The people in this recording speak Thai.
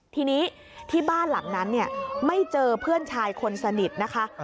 ทีนี้ที่บ้านหลังนั้นไม่เจอเพื่อนชายคนสนิทนะคะ